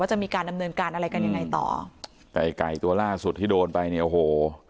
จะมีการดำเนินการอะไรกันยังไงต่อแต่ไอ้ไก่ตัวล่าสุดที่โดนไปเนี่ยโอ้โห